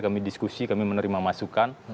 kami diskusi kami menerima masukan